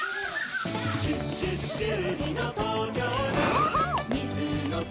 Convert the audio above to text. そうそう！